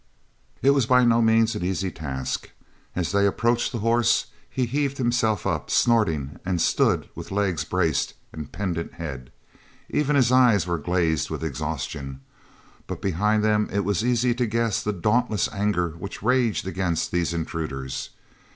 It was by no means an easy task. As they approached the horse he heaved himself up, snorting, and stood with legs braced, and pendant head. Even his eyes were glazed with exhaustion, but behind them it was easy to guess the dauntless anger which raged against these intruders.